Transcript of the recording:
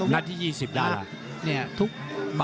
หน้าที่๒๐ด้านล่ะ